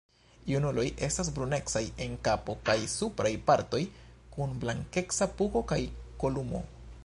Junuloj estas brunecaj en kapo kaj supraj partoj, kun blankeca pugo kaj kolumo.